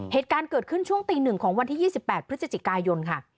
เหตุการณ์เกิดขึ้นช่วงตี๑ของวันที่๒๘พฤศจิกายนค่ะ